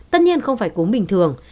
tất nhiên không phải cúm bình thường